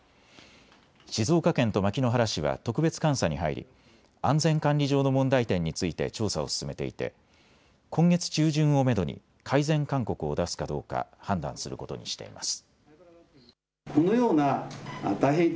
静岡県と牧之原市は特別監査に入り、安全管理上の問題点について調査を進めていて今月中旬をめどに改善勧告を出すかどうか判断することにしています。